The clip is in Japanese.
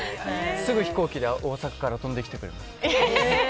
すぐ飛行機で大阪から飛んできてくれる。